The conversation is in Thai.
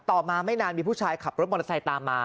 ต่อมาไม่นานมีผู้ชายขับรถมอเตอร์ไซค์ตามมา